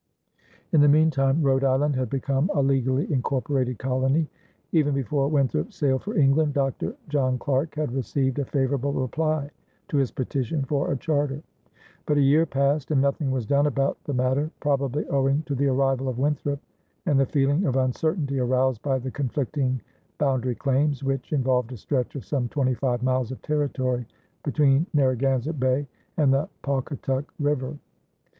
In the meantime Rhode Island had become a legally incorporated colony. Even before Winthrop sailed for England, Dr. John Clarke had received a favorable reply to his petition for a charter. But a year passed and nothing was done about the matter, probably owing to the arrival of Winthrop and the feeling of uncertainty aroused by the conflicting boundary claims, which involved a stretch of some twenty five miles of territory between Narragansett Bay and the Pawcatuck River.